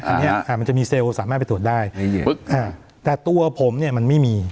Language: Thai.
อันนี้มันจะมีเซลล์สามารถไปตรวจได้แต่ตัวผมเนี่ยมันไม่มี